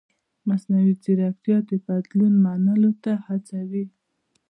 مصنوعي ځیرکتیا د بدلون منلو ته هڅوي.